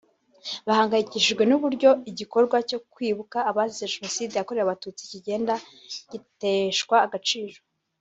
bahangayikishijwe n’uburyo igikorwa cyo kwibuka abazize Jenoside yakorewe Abatutsi kigenda giteshwa agaciro